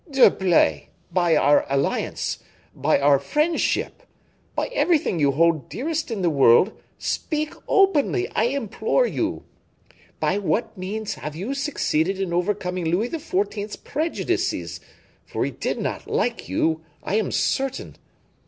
"D'Herblay, by our alliance, by our friendship, by everything you hold dearest in the world, speak openly, I implore you. By what means have you succeeded in overcoming Louis XIV.'s prejudices, for he did not like you, I am certain."